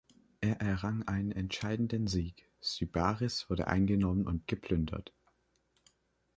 Er errang einen entscheidenden Sieg, Sybaris wurde eingenommen und geplündert.